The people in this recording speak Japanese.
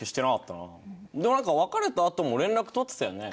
でもなんか別れたあとも連絡取ってたよね？